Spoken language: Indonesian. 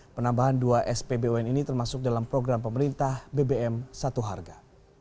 penambahan dua spbun ini termasuk dalam program pemerintah bbm satu harga